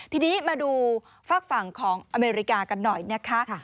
ทีนี้มาดูฝากฝั่งของอเมริกากันหน่อยนะคะ